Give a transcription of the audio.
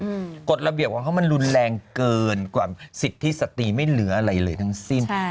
กฎระเบียบของเขามันรุนแรงเกินกว่าสิทธิสติไม่เหลืออะไรเลยทั้งสิ้นใช่